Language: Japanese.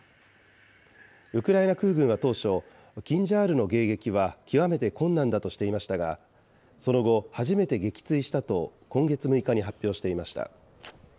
ウクライナ空軍は当初、キンジャールの迎撃は極めて困難だとしていましたが、その後、初めて撃墜したと今月６日に発表していました。